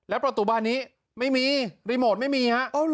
แล้วประตูบานนี้ไม่มีรีโมทไม่มี